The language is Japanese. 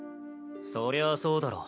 そりゃあそうだろ。